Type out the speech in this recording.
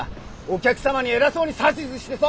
お客様に偉そうに指図してさ。